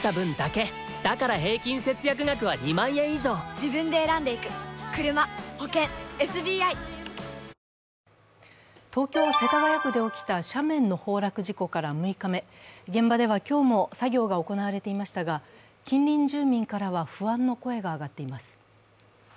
サントリー「ロコモア」明日のチラシで東京・世田谷区で起きた斜面の崩落事故から６日目、現場では今日も作業が行われていましたが、近隣住民からは不安の声が上がっています。